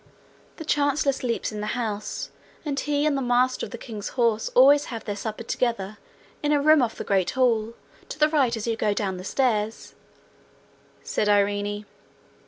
'The chancellor sleeps in the house, and he and the master of the king's horse always have their supper together in a room off the great hall, to the right as you go down the stairs,' said Irene.